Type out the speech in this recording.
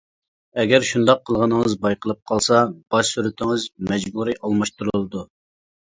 ئەگەر شۇنداق قىلغىنىڭىز بايقىلىپ قالسا، باش سۈرىتىڭىز مەجبۇرىي ئالماشتۇرۇلىدۇ.